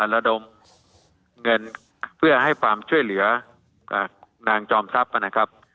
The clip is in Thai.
ระดมเงินเพื่อให้ความช่วยเหลือนางจอมทรัพย์นะครับ